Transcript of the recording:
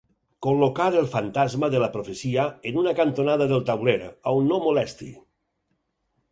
Col·locar el fantasma de la profecia en una cantonada del tauler, on no molesti.